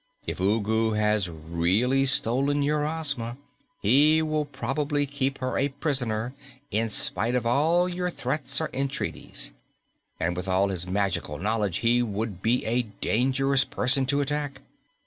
"If Ugu has really stolen your Ozma, he will probably keep her a prisoner, in spite of all your threats or entreaties. And with all his magical knowledge he would be a dangerous person to attack.